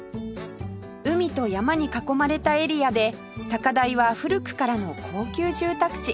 海と山に囲まれたエリアで高台は古くからの高級住宅地